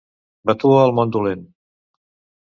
Vatua el món dolent!